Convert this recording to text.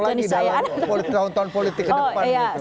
seberapa mungkin kenistaan ini akan terulang